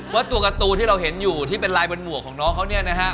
ว่าตัวการ์ตูที่เราเห็นอยู่ที่เป็นลายบนหมวกของน้องเขาเนี่ยนะฮะ